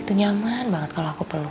itu nyaman banget kalo aku peluh